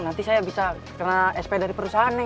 nanti saya bisa kena sp dari perusahaan nih